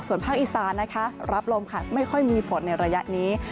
ส่วนภาคอีสานนะคะรับลมค่ะไม่ค่อยมีฝนในระยะนี้